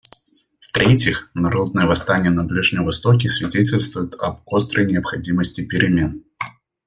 В-третьих, народные восстания на Ближнем Востоке свидетельствуют об острой необходимости перемен.